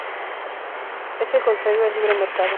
Es el contrario al libre mercado.